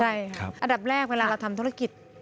ใช่ค่ะอันดับแรกเวลาเราทำธุรกิจ